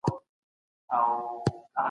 اڅک